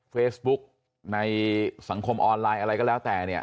เฟซบุ๊กในสังคมออนไลน์อะไรก็แล้วแต่เนี่ย